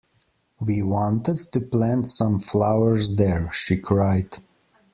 ‘We wanted to plant some flowers there,’ she cried.